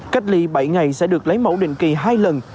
cách ly bảy ngày sẽ được lấy mẫu định kỳ hai lần